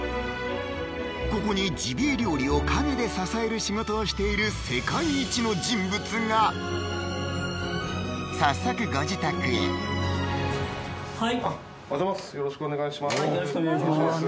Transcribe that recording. ここにジビエ料理を陰で支える仕事をしている世界一の人物が早速ご自宅へはいよろしくお願いします